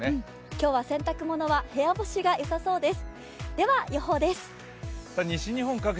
今日は洗濯物は部屋干しがよさそうです。